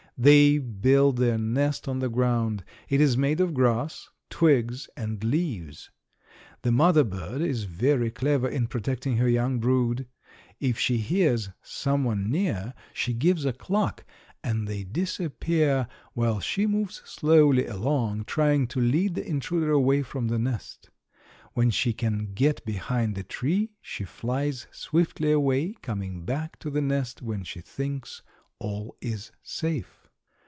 "They build their nest on the ground. It is made of grass, twigs and leaves. The mother bird is very clever in protecting her young brood. If she hears someone near, she gives a cluck and they disappear, while she moves slowly along trying to lead the intruder away from the nest. When she can get behind a tree she flies swiftly away, coming back to the nest when she thinks all is safe.